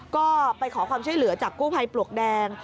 ก็ไปขอความช่วยเหลือจากกู้ภัยปลวกแดง